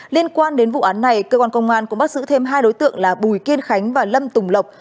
liên quan đến vụ án này cơ quan công an cũng bắt giữ thêm hai đối tượng là bùi kiên khánh và lâm tùng lộc